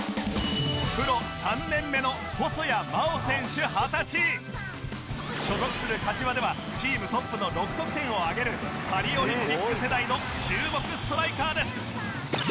プロ３年目の所属する柏ではチームトップの６得点を挙げるパリオリンピック世代の注目ストライカーです